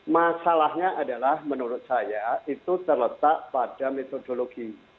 masalahnya adalah menurut saya itu terletak pada metodologi